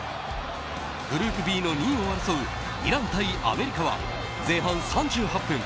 グループＢの２位を争うイラン対アメリカは前半３８分